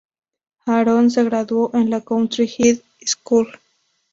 Aaron se graduó en la "County High School".